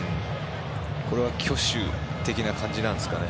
これは挙手的な感じなんですかね。